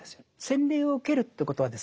洗礼を受けるということはですね